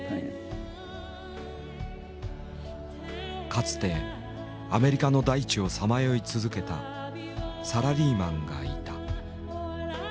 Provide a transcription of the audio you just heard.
かつてアメリカの大地をさまよい続けたサラリーマンがいた。